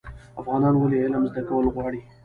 افغانان ولې علم زده کول غواړي؟